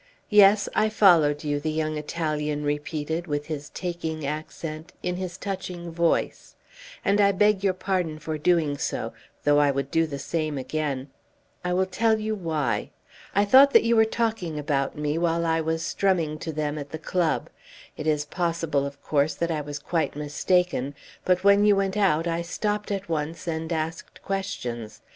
"Yes, I followed you," the young Italian repeated, with his taking accent, in his touching voice; "and I beg your pardon for doing so though I would do the same again I will tell you why. I thought that you were talking about me while I was strumming to them at the club. It is possible, of course, that I was quite mistaken; but when you went out I stopped at once and asked questions.